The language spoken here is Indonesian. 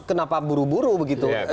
kenapa buru buru begitu